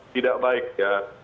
tidak baik ya